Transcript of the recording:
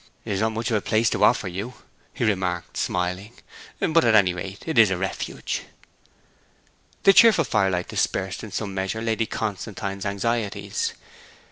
'It is not much of a palace to offer you,' he remarked, smiling. 'But at any rate, it is a refuge.' The cheerful firelight dispersed in some measure Lady Constantine's anxieties.